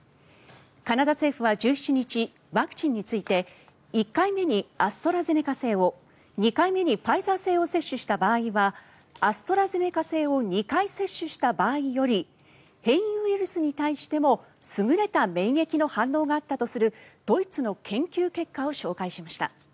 カナダ政府は１７日ワクチンについて１回目にアストラゼネカ製を２回目にファイザー製を接種した場合はアストラゼネカ製を２回接種した場合より変異ウイルスに対しても優れた免疫の反応があったとするドイツの研究結果を紹介しました。